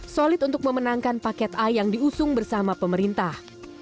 solid untuk memenangkan paket a yang diusung bersama pemerintah